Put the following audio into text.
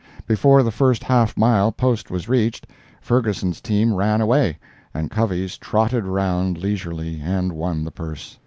Before the first half mile post was reached, Ferguson's team ran away, and Covey's trotted around leisurely and won the purse.